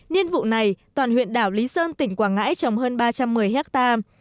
nhiên vụ này toàn huyện đảo lý sơn tỉnh quảng ngãi trồng hơn ba trăm một mươi hectare